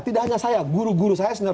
tidak hanya saya guru guru saya sebenarnya